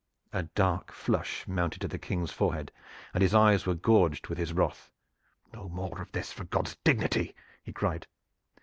A dark flush mounted to the King's forehead, and his eyes were gorged with his wrath. "No more of this, for God's dignity!" he cried.